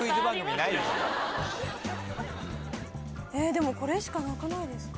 でもこれしかなくないですか？